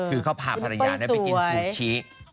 คือเขาพาภรรยาไปกินซูชิ